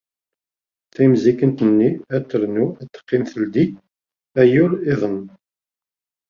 Timzikent-nni ad ternu ad teqqim teldi ayyur-iḍen.